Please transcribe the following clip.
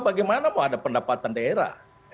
bagaimana mau ada pendapatan daerah